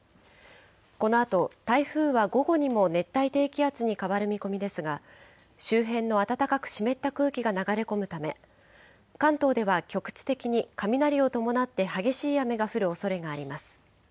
このあと、台風は午後にも熱帯低気圧に変わる見込みですが、周辺の暖かく湿った空気が流れ込むため、関東では局地的に雷を伴って激しい雨が降るおそれがあります。